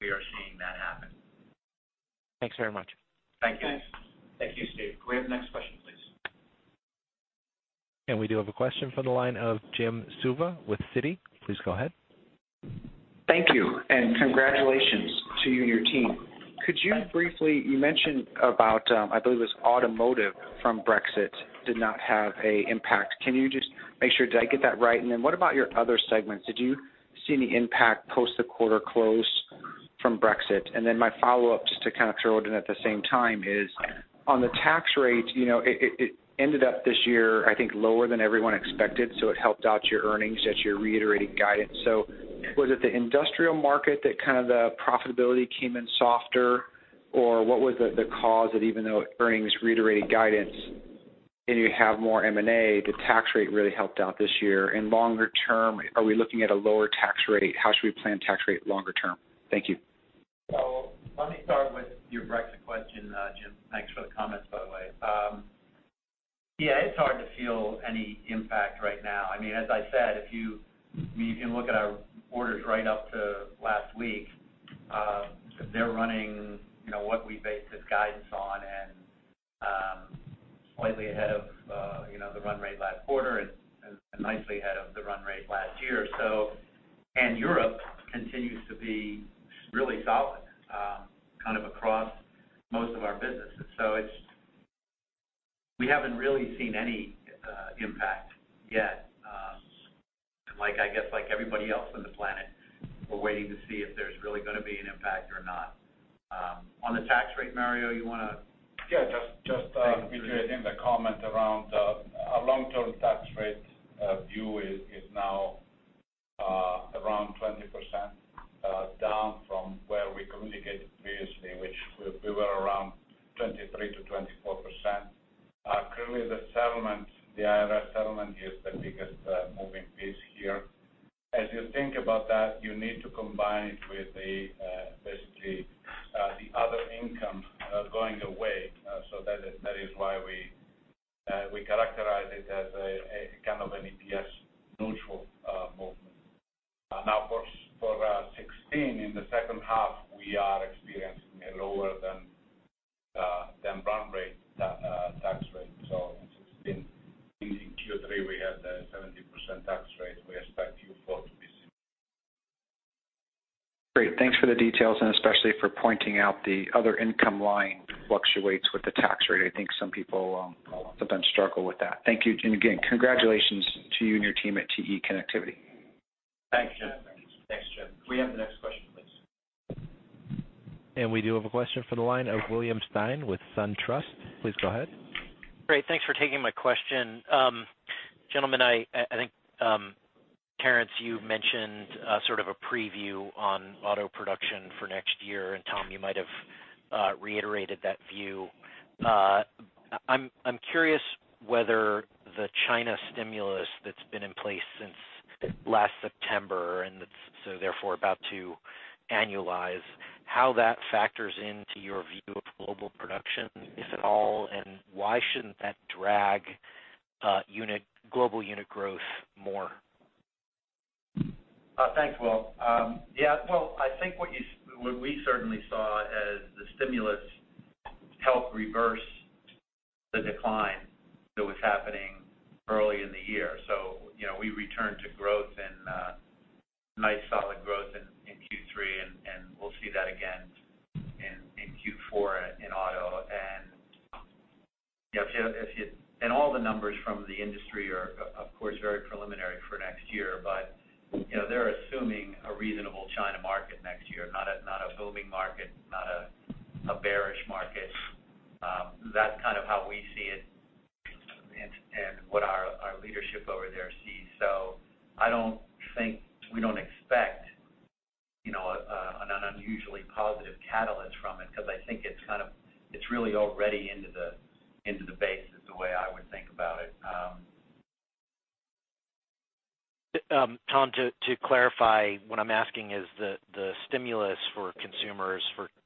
we are seeing that happen. Thanks very much. Thank you. Thanks. Thank you, Steve. Go ahead to the next question, please. We do have a question from the line of Jim Suva with Citi. Please go ahead. Thank you. Congratulations to you and your team. Thanks. Could you briefly, you mentioned about, I believe it was automotive from Brexit did not have an impact. Can you just make sure, did I get that right? And then what about your other segments? Did you see any impact post the quarter close from Brexit? And then my follow-up, just to kind of throw it in at the same time, is on the tax rate, it ended up this year, I think, lower than everyone expected, so it helped out your earnings as you're reiterating guidance. So was it the industrial market that kind of the profitability came in softer, or what was the cause that even though earnings reiterated guidance and you have more M&A, the tax rate really helped out this year? And longer term, are we looking at a lower tax rate? How should we plan tax rate longer term? Thank you. So let me start with your Brexit question, Jim. Thanks for the comments, by the way. Yeah, it's hard to feel any impact right now. I mean, as I said, if you can look at our orders right up to last week, they're running what we based this guidance on and slightly ahead of the run rate last quarter and nicely ahead of the run rate last year. And Europe preview on auto production for next year. And Tom, you might have reiterated that view. I'm curious whether the China stimulus that's been in place since last September, and so therefore about to annualize, how that factors into your view of global production, if at all, and why shouldn't that drag global unit growth more? Thanks, Will. Yeah. Well, I think what we certainly saw as the stimulus helped reverse the decline that was happening early in the year. So we returned to growth and nice solid growth in Q3, and we'll see that again in Q4 in auto. And all the numbers from the industry are, of course, very preliminary for next year, but they're assuming a reasonable China market next year, not a booming market, not a bearish market. That's kind of how we see it and what our leadership over there sees. So I don't think we don't expect an unusually positive catalyst from it because I think it's kind of it's really already into the base the way I would think about it. Tom, to clarify, what I'm asking is the stimulus for consumers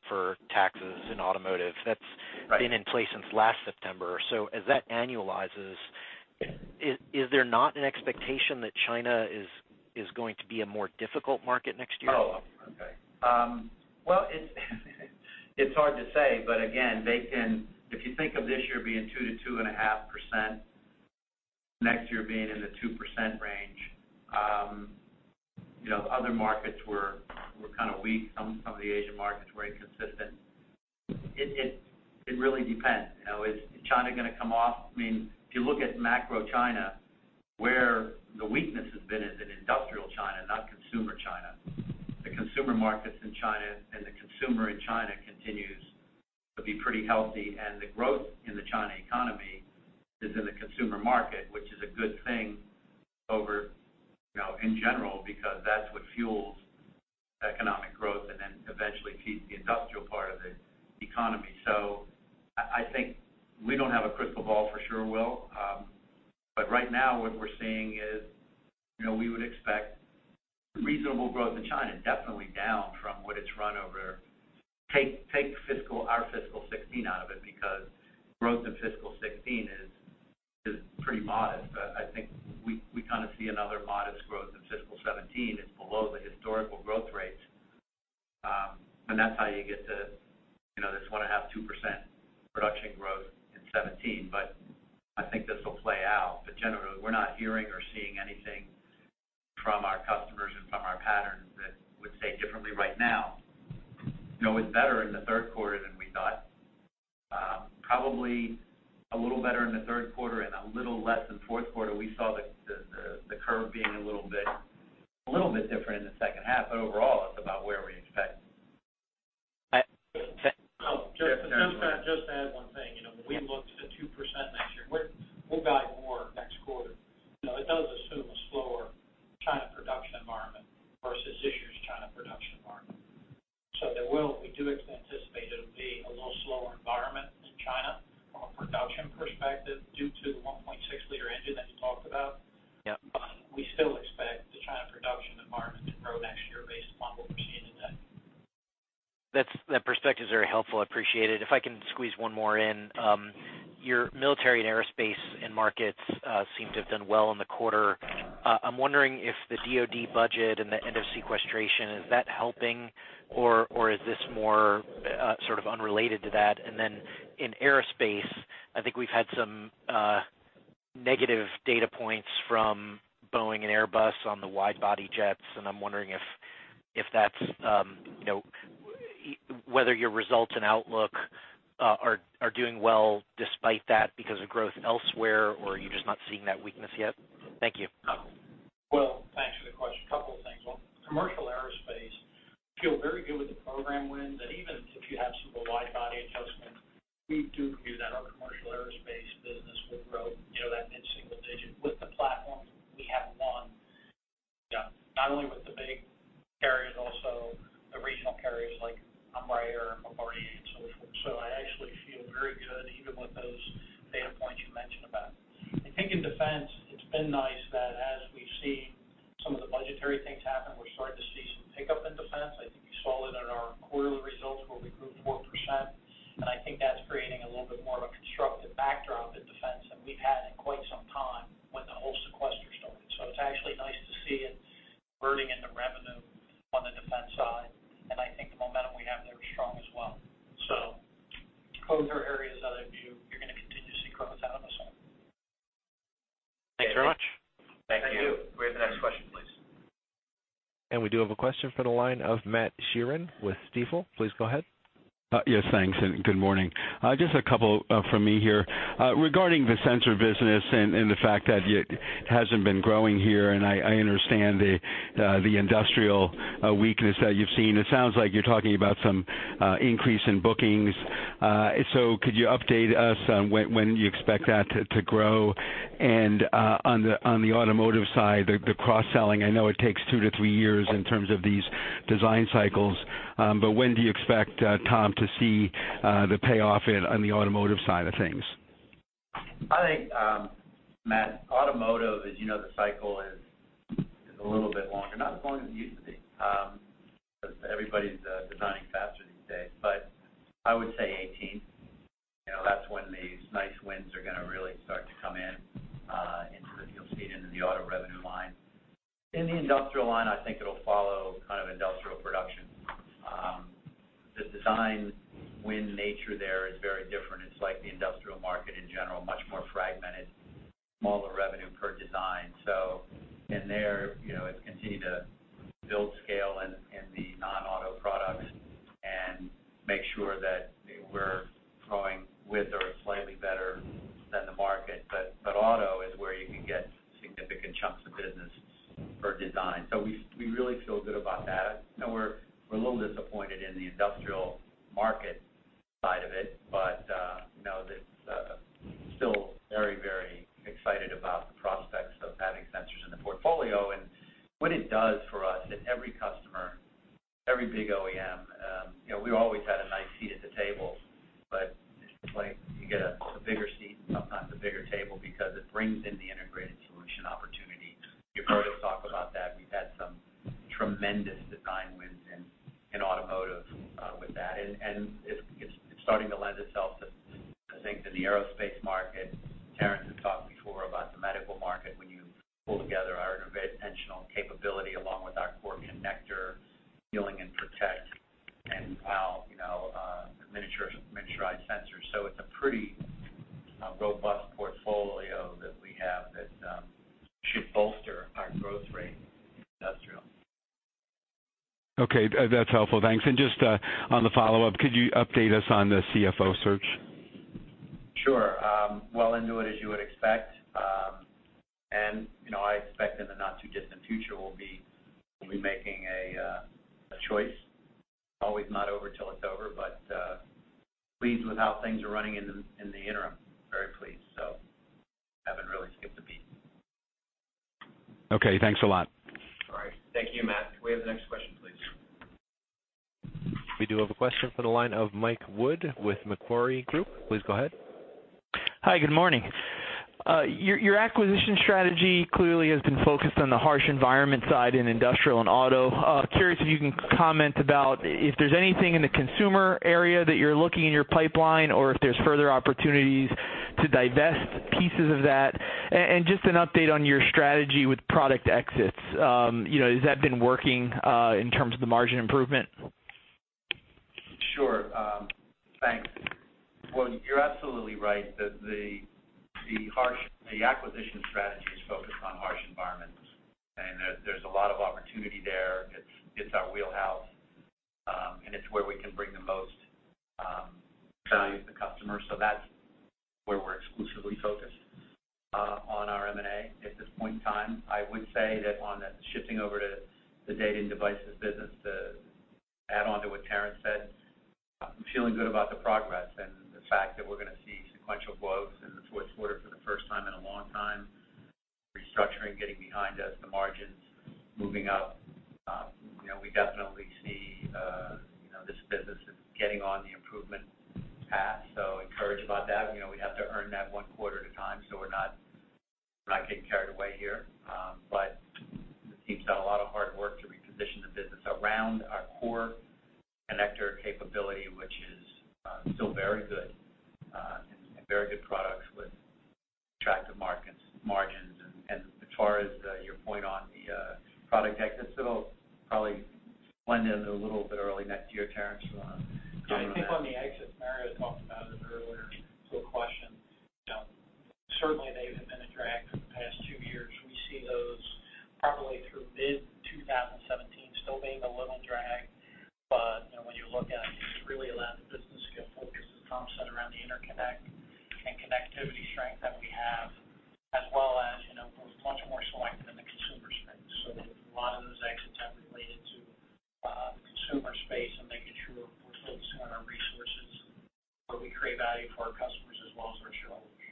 for taxes in automotive that's been in place since last September. So as that annualizes, is there not an expectation that China is going to be a more difficult market next year? Oh, okay. Well, it's hard to say. But again, if you think of this year being 2%-2.5%, next year being in the 2% range, other markets were kind of weak. Some of the Asian markets were inconsistent. It really depends. Is China going to come off? I mean, if you look at macro China, where the weakness has been is in industrial China, not consumer China. The consumer markets in China and the consumer in China continues to be pretty healthy. And the growth in the China economy is in the consumer market, which is a good thing over in general because that's what fuels economic growth and then eventually feeds the industrial part of the economy. So I think we don't have a crystal ball for sure, Will. But right now, what we're seeing is we would expect reasonable growth in China, definitely down from what it's run over. Take our fiscal 2016 out of it because growth in fiscal 2016 is pretty modest. I think we kind of see another modest growth in fiscal 2017. It's below the historical growth rates. And that's how you get to this 1.5%-2% production growth in 2017. But I think this will play out. But generally, we're not hearing or seeing anything from our customers and from our patterns that would say differently right now. It was better in the Q3 than we thought. Probably a little better in the Q3 and a little less in Q4. We saw the curve being a little bit different in the second half. But overall, it's about where we expect. Just to add one thing, when we look to 2% next year, we'll guide more next quarter. It does assume a slower China production environment versus this year's China production environment. So we do anticipate it'll be a little slower environment in China from a production perspective due to the 1.6-liter engine that you talked about. But we still expect the China production environment to grow next year based upon what we're seeing today. That perspective is very helpful. I appreciate it. If I can squeeze one more in, your military and aerospace and markets seem to have done well in the quarter. I'm wondering if the DOD budget and the end of sequestration, is that helping, or is this more sort of unrelated to that? And then in aerospace, I think we've had some negative data points from Boeing and Airbus on the wide-body jets. And I'm wondering if that's whether your results and outlook are doing well despite that because of growth elsewhere, or are you just not seeing that weakness yet? Thank you. Will, thanks for the question. A couple of things. Commercial aerospace feel very good with the program wins that even if you have some of the wide-body adjustments, we do view that our commercial aerospace business will grow that mid-single digit with the platforms we have won. Yeah. Not only with the big carriers, also the regional carriers like Embraer and Bombardier and so forth. So I actually feel very good even with those data points you mentioned about. I think in defense, it's been nice that as we've seen some of the budgetary things happen, we're starting to see some pickup in defense. I think you saw it in our quarterly results where we grew 4%. And I think that's creating a little bit more of a constructive backdrop in defense than we've had in quite some time when the whole sequester started. So it's actually nice to see it burning into revenue on the defense side. And I think the momentum we have there is strong as well. So for your areas that you're going to continue to see growth out of us. Thanks very much. Thank you. Thank you. We have the next question, please. We do have a question from the line of Matt Sheerin with Stifel. Please go ahead. Yes, thanks. Good morning. Just a couple from me here regarding the sensor business and the fact that it hasn't been growing here. I understand the industrial weakness that you've seen. It sounds like you're talking about some increase in bookings. Could you update us on when you expect that to grow? On the automotive side, the cross-selling, I know it takes 2-3 years in terms of these design cycles. But when do you expect, Tom, to see the payoff on the automotive side of things? I think, Matt, automotive, as you know, the cycle is a little bit longer, not as long as it used to be. Everybody's designing faster these days. But I would say 2018. That's when these nice wins are going to really start to come into the fuel cell and into the auto revenue line. In the industrial line, I think it'll follow kind of industrial production. The design win nature there is very different. It's like the industrial market in general, much more fragmented, smaller revenue per design. So in there, it's continued to build scale in the non-auto products and make sure that we're growing with or slightly better than the market. But auto is where you can get significant chunks of business for design. So we really feel good about that. We're a little disappointed in the industrial market side of it, but still very, very excited about the prospects of having sensors in the portfolio. And what it does for us at every customer, every big OEM, we've always had a nice seat at the table. But it's like you get a bigger seat, sometimes a bigger table, because it brings in the integrated solution opportunity. You've heard us talk about that. We've had some tremendous design wins in automotive with that. And it's starting to lend itself to things in the aerospace market. Terrence has talked before about the medical market when you pull together our interventional capability along with our core connector, sealing and protection, and wow, miniaturized sensors. So it's a pretty robust portfolio that we have that should bolster our growth rate in industrial. Okay. That's helpful. Thanks. Just on the follow-up, could you update us on the CFO search? Sure. Well into it, as you would expect. I expect in the not-too-distant future, we'll be making a choice. Always not over till it's over, but pleased with how things are running in the interim. Very pleased. Haven't really skipped a beat. Okay. Thanks a lot. All right. Thank you, Matt. Can we have the next question, please? We do have a question from the line of Mike Wood with Macquarie Group. Please go ahead. Hi. Good morning. Your acquisition strategy clearly has been focused on the harsh environment side in industrial and auto. Curious if you can comment about if there's anything in the consumer area that you're looking in your pipeline or if there's further opportunities to divest pieces of that. Just an update on your strategy with product exits. Has that been working in terms of the margin improvement? Sure. Thanks. Well, you're absolutely right that the acquisition strategy is focused on harsh environments. There's a lot of opportunity there. It's our wheelhouse. It's where we can bring the most value to the customer. So that's where we're exclusively focused on our M&A at this point in time. I would say that on shifting over to the Data and Devices business to add on to what Terrence said, I'm feeling good about the progress and the fact that we're going to see sequential growth in the Q4 for the first time in a long time. Restructuring getting behind us, the margins moving up. We definitely see this business getting on the improvement path. So encouraged about that. We have to earn that one quarter at a time. So we're not getting carried away here. But the team's done a lot of hard work to reposition the business around our core connector capability, which is still very good and very good products with attractive margins. And as far as your point on the product exits, it'll probably blend in a little bit early next year, Terrence. I think on the exits, Mario talked about it earlier. So a question. Certainly, they've been in drag for the past two years. We see those probably through mid-2017 still being a little drag. But when you look at it, it's really allowed the business to focus on the interconnect and connectivity strength that we have, as well as we're much more selective in the consumer space. So a lot of those exits have related to consumer space and making sure we're focusing on our resources so we create value for our customers as well as our shareholders.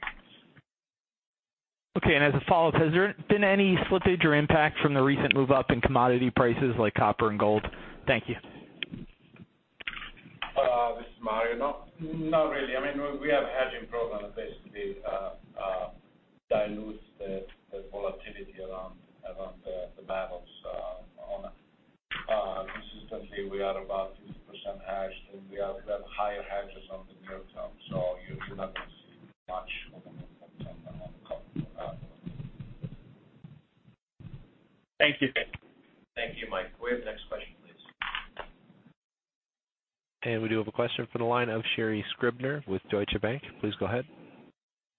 Okay. As a follow-up, has there been any slippage or impact from the recent move-up in commodity prices like copper and gold? Thank you. This is Mario. Not really. I mean, we have hedging program basically dilutes the volatility around the balance sheet. Consistently, we are about 50% hedged. And we have higher hedges on the near term. So you're not going to see much on the bottom line. Thank you. Thank you, Mike. We have the next question, please. We do have a question from the line of Sherri Scribner with Deutsche Bank. Please go ahead.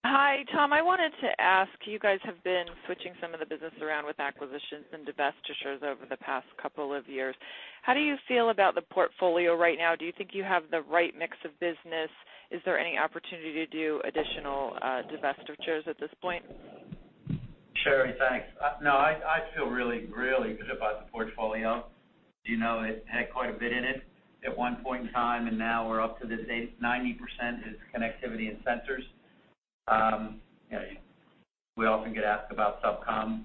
Hi, Tom. I wanted to ask, you guys have been switching some of the business around with acquisitions and divestitures over the past couple of years. How do you feel about the portfolio right now? Do you think you have the right mix of business? Is there any opportunity to do additional divestitures at this point? Sherri, thanks. No, I feel really, really good about the portfolio. It had quite a bit in it at one point in time. Now we're up to 90% connectivity and sensors. We often get asked about Subcom.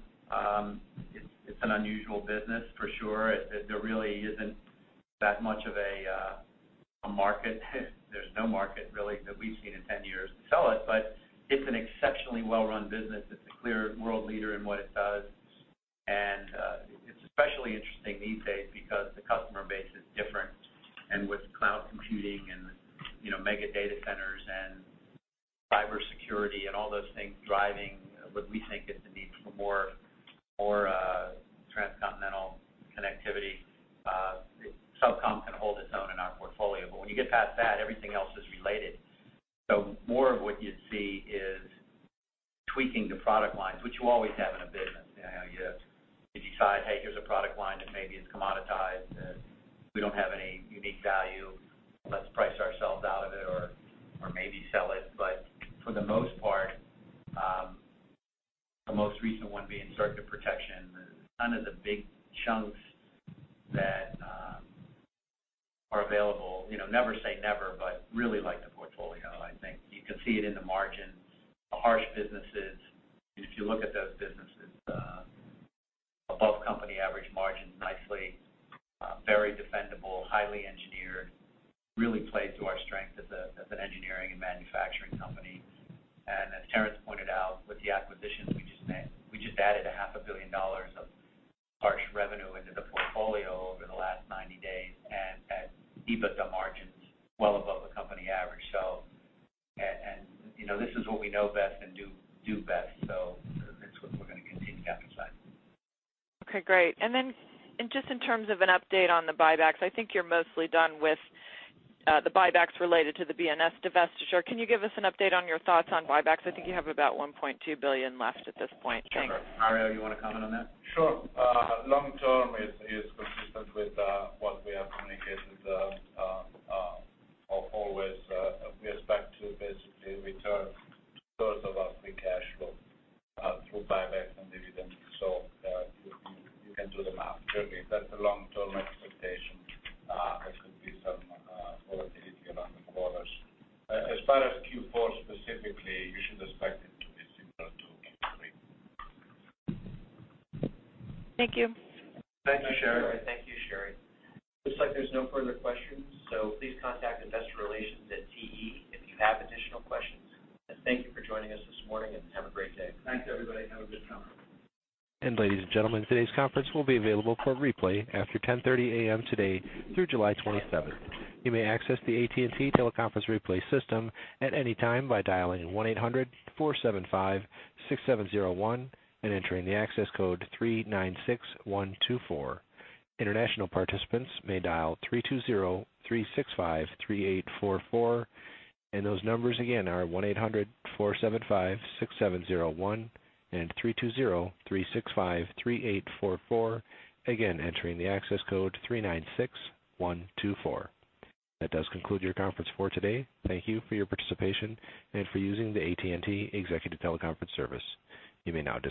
It's an unusual business, for sure. There really isn't that much of a market. There's no market really that we've seen in 10 years to sell it. But it's an exceptionally well-run business. It's a clear world leader in what it does. It's especially interesting these days because the customer base is different. With cloud computing and mega data centers and cybersecurity and all those things driving what we think is the need for more transcontinental connectivity, Subcom can hold its own in our portfolio. But when you get past that, everything else is related. So more of what you'd see is tweaking the product lines, which you always have in a business. You decide, "Hey, here's a product line that maybe is commoditized. We don't have any unique value. Let's price ourselves out of it or maybe sell it." But for the most part, the most recent one being Circuit Protection, none of the big chunks that are available. Never say never, but really like the portfolio. I think you can see it in the margins. The harsh businesses, if you look at those businesses, above company average margins nicely, very defendable, highly engineered, really played to our strength as an engineering and manufacturing company. And as Terrence pointed out, with the acquisitions, we just added $500 million of harsh revenue into the portfolio over the last 90 days. And that even the margins well above the company average. This is what we know best and do best. It's what we're going to continue to emphasize. Okay. Great. And then just in terms of an update on the buybacks, I think you're mostly done with the buybacks related to the BNS divestiture. Can you give us an update on your thoughts on buybacks? I think you have about $1.2 billion left at this point. Sure. Mario, you want to comment on that? Sure. Long-term, it is consistent with what we have communicated always. We expect to basically return towards about free cash flow through buybacks and dividends. So you can do the math. That's a long-term expectation. There could be some volatility around the quarters. As far as Q4 specifically, you should expect it to be similar to Q3. Thank you. Thank you, Sherri. Thank you, Sherri. Looks like there's no further questions. Please contact investor relations at TE if you have additional questions. Thank you for joining us this morning. Have a great day. Thanks, everybody. Have a good conference. Ladies and gentlemen, today's conference will be available for replay after 10:30 A.M. today through July 27th. You may access the AT&T Teleconference Replay System at any time by dialing 1-800-475-6701 and entering the access code 396124. International participants may dial 320-365-3844. Those numbers again are 1-800-475-6701 and 320-365-3844. Again, entering the access code 396124. That does conclude your conference for today. Thank you for your participation and for using the AT&T Executive Teleconference Service. You may now.